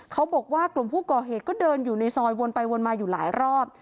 เขาบอกว่ากลุ่มผู้ก่อเหตุก็เดินอยู่ในซอยวนไปวนมาอยู่หลายรอบ